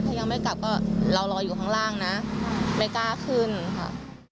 ถ้ายังไม่กลับก็เรารออยู่ข้างล่างนะไม่กล้าขึ้นค่ะ